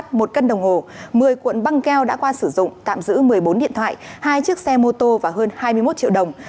một cân đồng hồ một mươi cuộn băng keo đã qua sử dụng tạm giữ một mươi bốn điện thoại hai chiếc xe mô tô và hơn hai mươi một triệu đồng